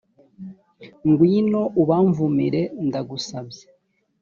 ngwino ubamvumire ndagusabye